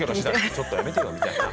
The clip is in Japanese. ちょっとやめてよみたいな。